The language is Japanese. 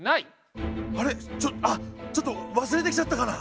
あれあっちょっと忘れてきちゃったかな。